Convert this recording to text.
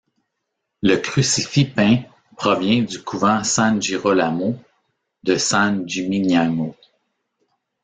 Le Crucifix peint provient du couvant San Girolamo de San Gimignano.